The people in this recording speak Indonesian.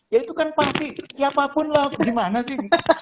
ya itu kan pasti siapapun lah gimana sih